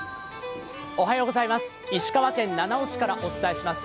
石川県七尾市からお伝えします。